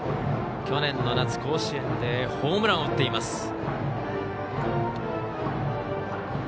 去年の夏、甲子園でホームランを打っています。